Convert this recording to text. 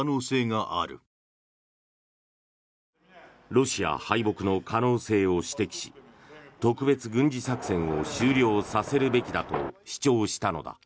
ロシア敗北の可能性を指摘し特別軍事作戦を終了させるべきだと主張したのだ。